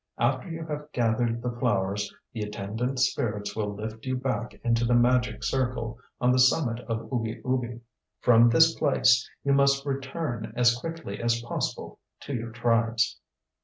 After you have gathered the flowers the attendant spirits will lift you back into the magic circle on the summit of Oobi Oobi. From this place you must return as quickly as possible to your tribes."